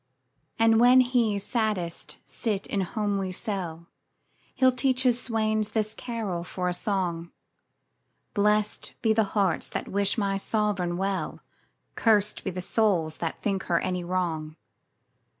And when he saddest sits in homely cell, He'll teach his swains this carol for a song,— 'Blest be the hearts that wish my sovereign well, 15 Curst be the souls that think her any wrong.